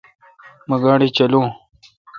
مہ گاڑی چلاو۔